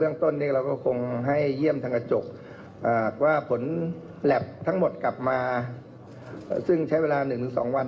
ต้นนี้เราก็คงให้เยี่ยมทางกระจกว่าผลแล็บทั้งหมดกลับมาซึ่งใช้เวลา๑๒วัน